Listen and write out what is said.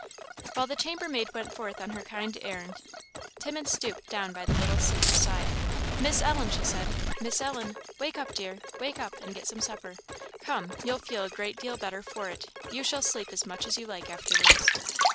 While the chambermaid went forth on her kind errand, Timmins stooped down by the little sleeper's side. "Miss Ellen!" she said "Miss Ellen! wake up, dear wake up, and get some supper come! you'll feel a great deal better for it you shall sleep as much as you like afterwards."